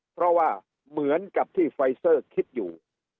เพราะว่าเหมือนกับที่ไฟเซอร์คิดอยู่